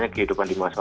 kehidupan di masa